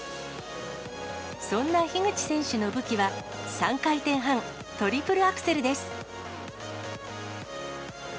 そんな樋口選手の武器は、３回転半・トリプルアクセルです。